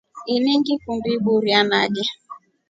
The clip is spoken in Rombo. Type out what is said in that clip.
Ini ngikundi iburia nage.